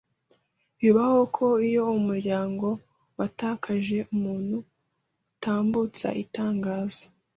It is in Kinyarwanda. Bibaho ko iyo umuryango watakaje umuntu utambutsa itangazo